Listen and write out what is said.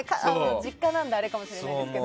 実家なのであれかもしれませんけど。